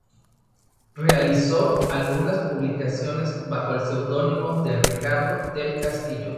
Realizó algunas publicaciones bajo el seudónimo de Ricardo del Castillo.